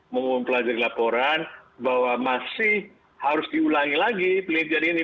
mempelajari laporan bahwa masih harus diulangi lagi penelitian ini